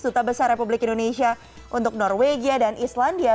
duta besar republik indonesia untuk norwegia dan islandia